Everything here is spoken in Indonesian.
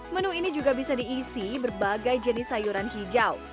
menu ini juga bisa diisi berbagai jenis sayuran hijau